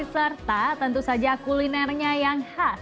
serta tentu saja kulinernya yang khas